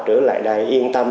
trở lại đây yên tâm